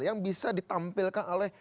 yang bisa ditampilkan oleh